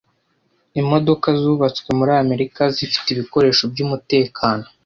imodoka zubatswe muri amerika zifite ibikoresho byumutekano